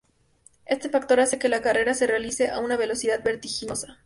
Este factor hace que la carrera se realice a una velocidad vertiginosa.